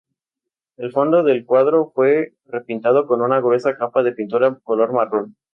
El fondo del cuadro fue repintado con una gruesa capa de pintura color marrón.